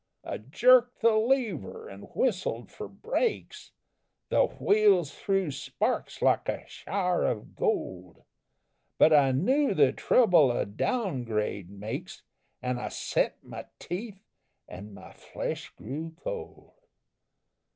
"I jerked the lever and whistled for brakes, The wheels threw sparks like a shower of gold; But I knew the trouble a down grade makes, An' I set my teeth an' my flesh grew cold.